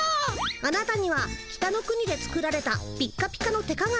あなたには北の国で作られたピッカピカの手かがみ。